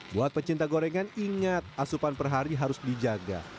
buat pecinta gorengan ingat asupan per hari harus dijaga